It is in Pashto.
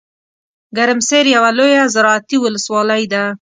ګرمسیر یوه لویه زراعتي ولسوالۍ ده .